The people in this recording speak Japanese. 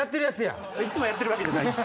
いつもやってるわけじゃないです